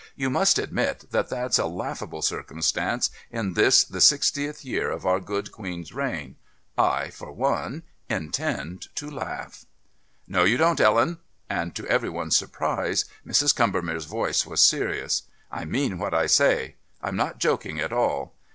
You must admit that that's a laughable circumstance in this the sixtieth year of our good Queen's reign. I, for one, intend to laugh." "No, you don't, Ellen," and, to every one's surprise, Mrs. Combermere's voice was serious. "I mean what I say. I'm not joking at all.